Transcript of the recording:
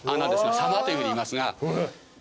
狭間というふうにいいますが。